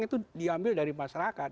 itu diambil dari masyarakat